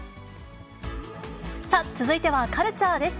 さあ、続いてはカルチャーです。